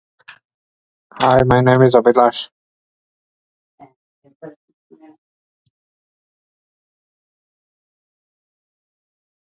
Governor, served on the board and had voted in favor of McFadden's release.